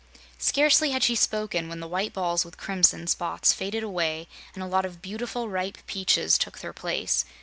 Scarcely had she spoken when the white balls with crimson spots faded away and a lot of beautiful ripe peaches took their place.